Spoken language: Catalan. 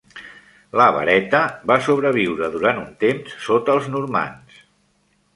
La "vareta" va sobreviure durant un temps sota els normands.